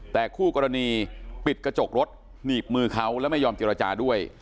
แต่คู่กรณีปิดกระจกรถหนีบมือเขาและไม่ยอมเจรจาด้วย